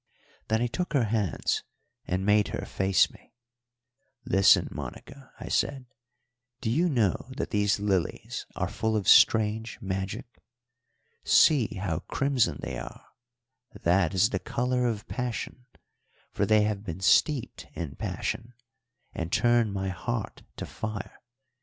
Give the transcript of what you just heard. Then I took her hands and made her face me. "Listen, Monica," I said. "Do you know that these lilies are full of strange magic? See how crimson they are; that is the colour of passion, for they have been steeped in passion, and turn my heart to fire.